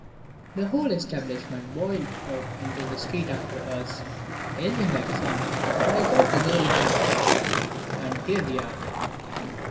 The whole establishment boiled out into the street after us, yelling like fun, but I got the girl into the car ... and here we are."